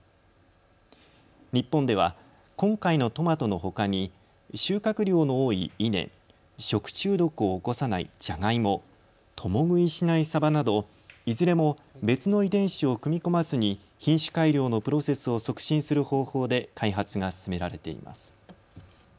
日本では今回のトマトのほかに収穫量の多い稲、食中毒を起こさないジャガイモ、共食いしないサバなどいずれも別の遺伝子を組み込まずに品種改良のプロセスを促進する方法で開発が進められています。